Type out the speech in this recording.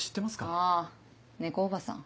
あぁ猫おばさん。